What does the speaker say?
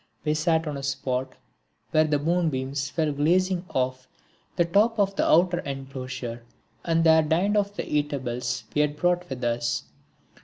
We sat on a spot where the moonbeams fell glancing off the top of the outer enclosure, and there dined off the eatables we had brought with us.